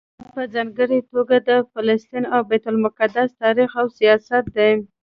دا په ځانګړي توګه د فلسطین او بیت المقدس تاریخ او سیاست دی.